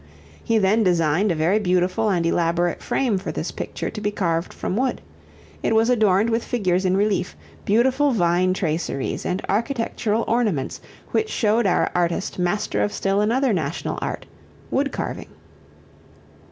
He then designed a very beautiful and elaborate frame for this picture to be carved from wood. It was adorned with figures in relief, beautiful vine traceries and architectural ornaments which showed our artist master of still another national art wood carving.